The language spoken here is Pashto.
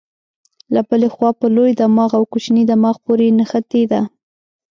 له بلې خوا په لوی دماغ او کوچني دماغ پورې نښتې ده.